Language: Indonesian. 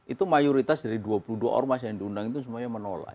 itu mayoritas dari dua puluh dua ormas yang diundang itu semuanya menolak